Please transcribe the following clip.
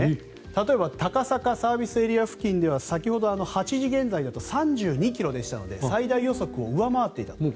例えば、高坂ＳＡ付近では先ほど、８時現在では３２ｋｍでしたので最大予測を上回っていた。